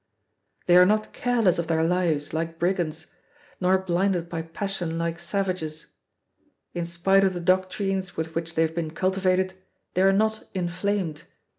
They are not careless of their lives, like brigands, nor blinded by passion like savages. In spite of the doctrines with which they have been cultivated they are not inflamed.